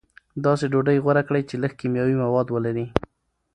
داسې ډوډۍ غوره کړئ چې لږ کیمیاوي مواد ولري.